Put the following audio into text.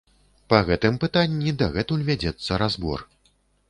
Па гэтым пытанні дагэтуль вядзецца разбор.